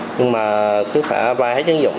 nhưng mà cứ phải vay hết những dụng